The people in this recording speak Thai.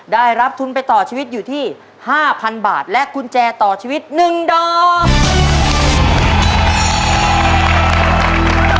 ได้รับทุนไปต่อชีวิตอยู่ที่๕๐๐๐บาทและกุญแจต่อชีวิต๑ดอก